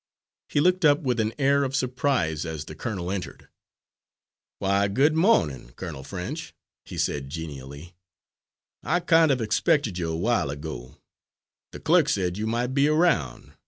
He looked up with an air of surprise as the colonel entered. "Why, good mornin', Colonel French," he said genially. "I kind of expected you a while ago; the clerk said you might be around.